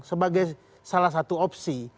sebagai salah satu opsi